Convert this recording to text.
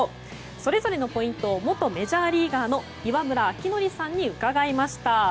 それぞれのポイントを元メジャーリーガーの岩村明憲さんに伺いました。